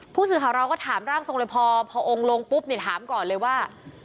ผู้สื่อข่าวเราก็ถามร่างทรงเลยพอองค์ลงปุ๊บเนี่ยถามก่อนเลยว่า